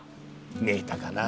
見えたかな。